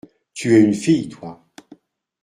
Tu es une fille, toi ?